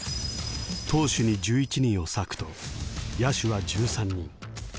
投手に１１人を割くと野手は１３人。